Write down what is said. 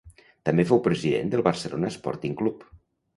També fou president del Barcelona Sporting Club.